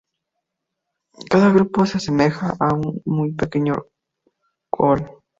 Cada grupo se asemeja a una muy pequeña col.